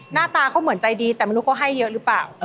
หน้าตาเขาเหมือนใจดีแต่ไม่รู้เขาให้เยอะหรือเปล่า